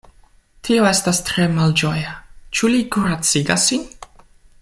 Tio estas tre malĝoja; ĉu li kuracigas sin?